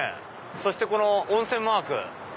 そしてこの温泉マーク。